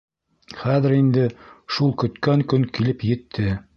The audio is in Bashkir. Хәҙер инде шул көткән көн килеп етте.